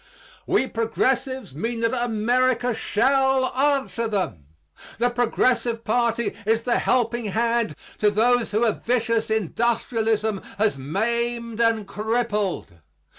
We progressives mean that America shall answer them. The Progressive party is the helping hand to those whom a vicious industrialism has maimed and crippled.